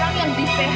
kamu menyebabkan itu